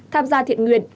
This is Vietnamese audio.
tham gia thiện nguyện